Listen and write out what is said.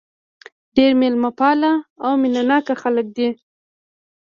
ډېر مېلمه پاله او مینه ناک خلک دي.